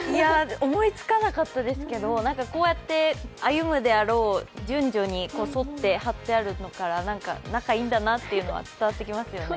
思いつかなかったですけど、こうやって歩むであろう順序に沿って貼ってあるから、仲いいんだなというのは伝わってきますよね。